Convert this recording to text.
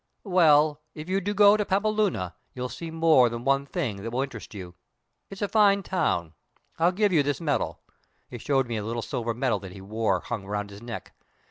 "Well, if you do go to Pampeluna, you'll see more than one thing that will interest you. It's a fine town. I'll give you this medal," he showed me a little silver medal that he wore hung around his neck.